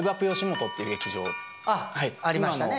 あっありましたね。